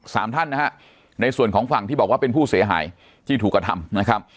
สามท่านนะฮะในส่วนของฝั่งที่บอกว่าเป็นผู้เสียหายที่ถูกกระทำนะครับ